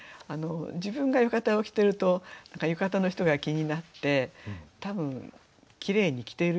自分が浴衣を着てると浴衣の人が気になって多分きれいに着ている人だったんでしょうね。